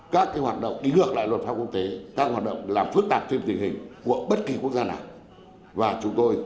các hoạt động đi ngược lại luật pháp quốc tế các hoạt động làm phức tạp thêm tình hình của bất kỳ quốc gia nào